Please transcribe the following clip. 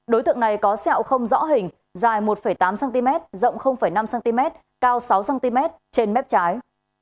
đối tượng này có sẹo không rõ hình dài một tám cm rộng năm cm cao sáu cm trên mép trái